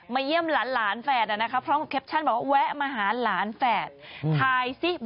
คือเหมือนอุ้มพี่บีมตัวจิ๋วเลย